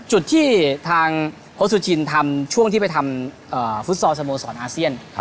จุดที่ทางฮสุจินทร์ทำช่วงที่ไปทำฝุดซอสสโตรสรอาเซียน